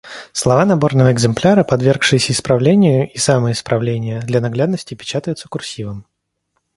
Слова наборного экземпляра, подвергшиеся исправлению, и самые исправления для наглядности печатаются курсивом.